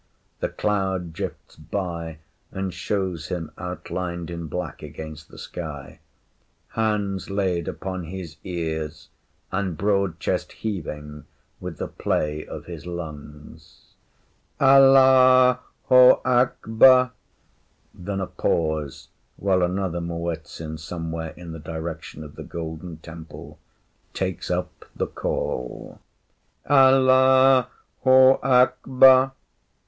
The cloud drifts by and shows him outlined in black against the sky, hands laid upon his ears, and broad chest heaving with the play of his lungs ‘Allah ho Akbar’; then a pause while another Muezzin somewhere in the direction of the Golden Temple takes up the call ‘Allah ho Akbar.